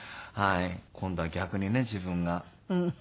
今度は逆にね自分が。